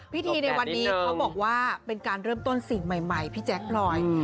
ในวันนี้เขาบอกว่าเป็นการเริ่มต้นสิ่งใหม่พี่แจ๊คพลอย